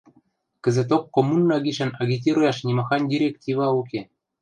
Кӹзӹток коммуна гишӓн агитируяш нимахань директива уке.